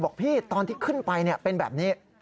บอกพี่ตอนที่ขึ้นไปเป็นแบบนี้